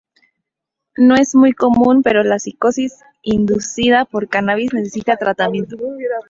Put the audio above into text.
No es muy común, pero la psicosis inducida por cannabis necesita tratamiento.